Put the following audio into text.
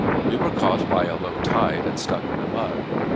We were caught by a low tide and stuck in the mud.